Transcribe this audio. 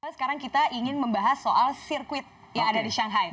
sekarang kita ingin membahas soal sirkuit yang ada di shanghai